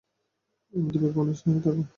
আর তুমি কখনও স্টেশনে থাকো।